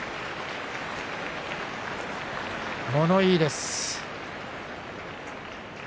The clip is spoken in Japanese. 物言いです。